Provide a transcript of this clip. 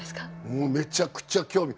もうめちゃくちゃ興味。